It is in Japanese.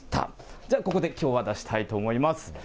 じゃあここできょうは出したいと思います。